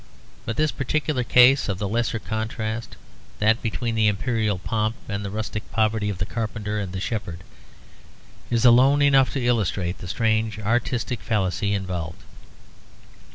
But this particular case of the lesser contrast, that between the imperial pomp and the rustic poverty of the carpenter and the shepherds, is alone enough to illustrate the strange artistic fallacy involved.